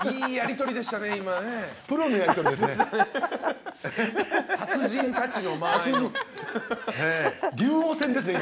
プロのやり取りですね。